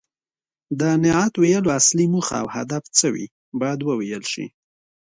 د نعت ویلو اصلي موخه او هدف څه وي باید وویل شي.